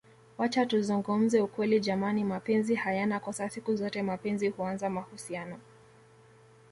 Wacha tuzungumze ukweli jamani mapenzi hayana kosa siku zote mapenzi huanza mahusiano